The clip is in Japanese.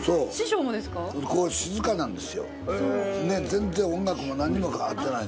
全然音楽も何もかかってない。